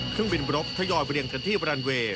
เครื่องบินรบททยอยเรียงกันที่บรันเวย์